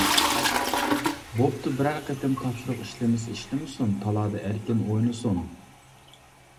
بوپتۇ، بىرەر قېتىم تاپشۇرۇق ئىشلىمىسە ئىشلىمىسۇن، تالادا ئەركىن ئوينىسۇن.